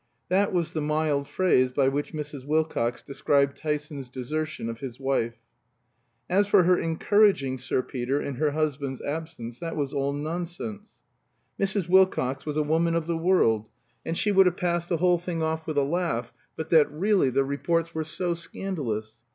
(That was the mild phrase by which Mrs. Wilcox described Tyson's desertion of his wife.) As for her encouraging Sir Peter in her husband's absence, that was all nonsense. Mrs. Wilcox was a woman of the world, and she would have passed the whole thing off with a laugh, but that, really, the reports were so scandalous.